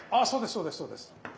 そうですそうです。